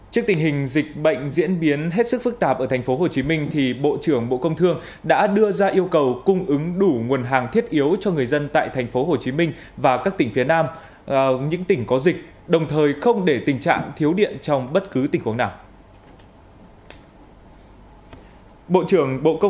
trước tình hình dịch bệnh diễn biến hết sức phức tạp ở tp hcm bộ trưởng bộ công thương đã đưa ra yêu cầu cung ứng đủ nguồn hàng thiết yếu cho người dân tại tp hcm và các tỉnh phía nam những tỉnh có dịch đồng thời không để tình trạng thiếu điện trong bất cứ tình huống nào